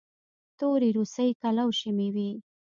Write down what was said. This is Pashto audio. تورې روسۍ کلوشې مې وې.